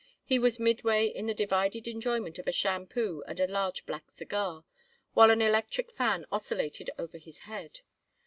He was midway in the divided enjoyment of a shampoo and a large black cigar, while an electric fan oscillated over his head.